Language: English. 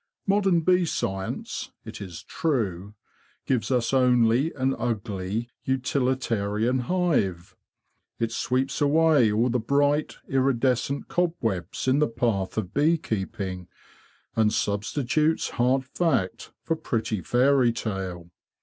Modern bee science, it is true, gives us only an ugly utilitarian hive. It sweeps away all the bright, iridescent cobwebs in the: path of bee keeping, and substitutes hard fact for pretty fairy tale.